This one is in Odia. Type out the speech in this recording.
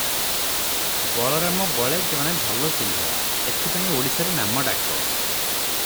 ବଳରାମ ବଳେ ଜଣେ ଭଲ ଚିହ୍ନରା, ଏଥିପାଇଁ ଓଡିଶାରେ ନାମଡାକ ।